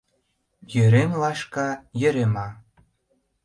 Йӧрӧм лашка — Йӧрӧма.